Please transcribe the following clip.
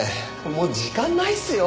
もう時間ないっすよ。